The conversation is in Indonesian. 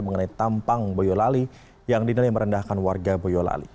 mengenai tampang boyolali yang dinilai merendahkan warga boyolali